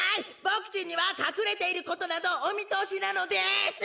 ボクちんにはかくれていることなどおみとおしなのです！